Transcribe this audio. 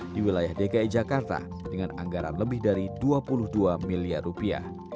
di wilayah dki jakarta dengan anggaran lebih dari dua puluh dua miliar rupiah